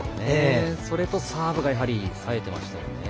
それと、サーブがさえてましたよね。